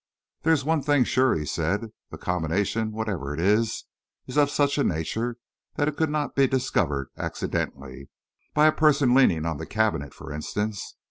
"There's one thing sure," he said, "the combination, whatever it is, is of such a nature that it could not be discovered accidentally by a person leaning on the cabinet, for instance.